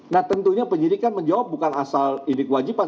nah tentunya penyidik kan menjawab bukan asal ini kewajiban